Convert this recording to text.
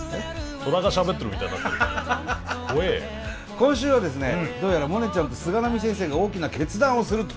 今週はですねどうやらモネちゃんと菅波先生が大きな決断をすると！